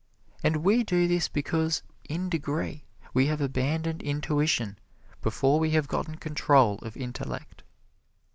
And we do this because, in degree, we have abandoned intuition before we have gotten control of intellect.